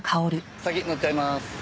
先乗っちゃいまーす。